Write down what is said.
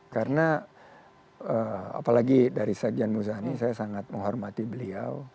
karena apalagi dari sekjen muzani saya sangat menghormati beliau